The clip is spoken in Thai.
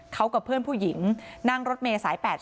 เขากับเพื่อนผู้หญิงนั่งรถเมย์สาย๘๐